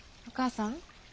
お母さん。